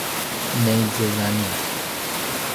نیزه زنی